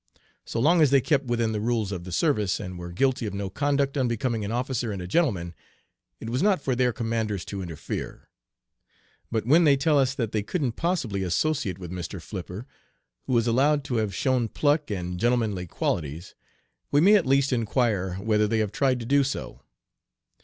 So long as they kept within the rules of the service, and were guilty of no conduct 'unbecoming an officer and a gentleman,' it was not for their commanders to interfere. But when they tell us that they couldn't possibly associate with Mr. Flipper, who is allowed to have 'shown pluck and gentlemanly qualities,' we may at least inquire whether they have tried to do so.